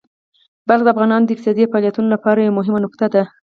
بلخ د افغانانو د اقتصادي فعالیتونو لپاره یوه مهمه نقطه ده.